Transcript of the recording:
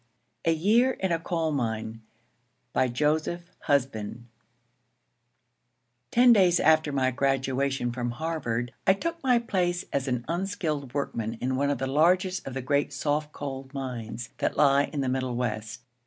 A YEAR IN A COAL MINE BY JOSEPH HUSBAND TEN days after my graduation from Harvard I took my place as an unskilled workman in one of the largest of the great soft coal mines that lie in the Middle West.